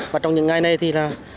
và trong những ngày này thì là